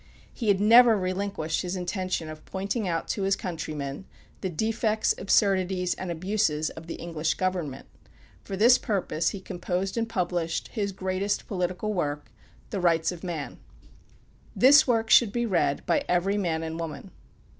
He had never relinquished his intention of pointing out to his countrymen the defects, absurdities and abuses of the English government. For this purpose he composed and published his greatest political work, "The Rights of Man." This work should be read by every man and woman.